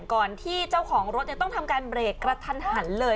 ก่อนที่เจ้าของรถต้องทำการเบรกกระทันหันเลย